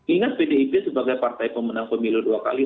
ingat pdip sebagai partai pemenang pemilu dua kali